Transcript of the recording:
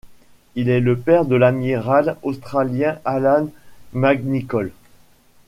Il est le père de l'amiral australien Alan McNicoll.